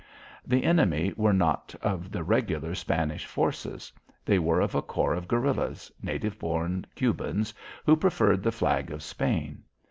The enemy were not of the regular Spanish forces. They were of a corps of guerillas, native born Cubans, who preferred the flag of Spain.